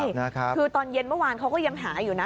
ใช่นะครับคือตอนเย็นเมื่อวานเขาก็ยังหาอยู่นะ